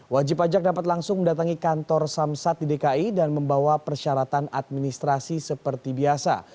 wajib pajak dapat langsung mendatangi kantor samsat di dki dan membawa persyaratan administrasi seperti biasa